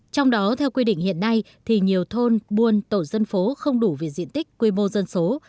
trong đó theo quy định hiện nay thì nhiều thôn buôn tổ dân phố không đủ về diện tích quy mô dân số